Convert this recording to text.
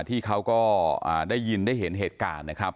ที่เขาก็ได้ยินได้เห็นเหตุการณ์นะครับ